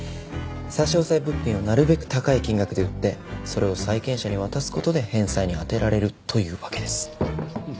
差し押さえ物品をなるべく高い金額で売ってそれを債権者に渡す事で返済に充てられるというわけです。